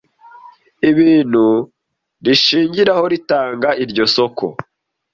ibintu rishingiraho ritanga iryo soko